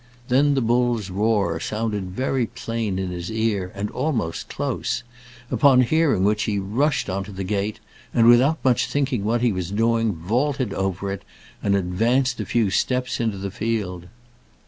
Then the bull's roar sounded very plain in his ear, and almost close; upon hearing which he rushed on to the gate, and, without much thinking what he was doing, vaulted over it, and advanced a few steps into the field.